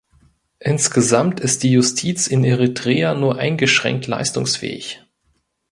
Insgesamt ist die Justiz in Eritrea nur eingeschränkt leistungsfähig.